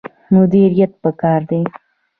مدیریت پکار دی